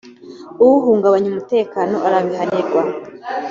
uhungabanya umutekano arabihanirwa